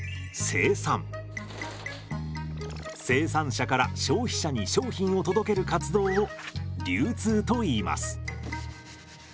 生産者から消費者に商品を届ける活動を流通といいます。